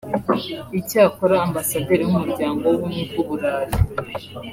Icyakora Ambasaderi w’Umuryango w’Ubumwe bw’u Burayi